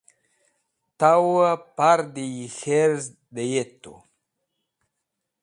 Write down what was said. tow pardi yi k̃herz dyetu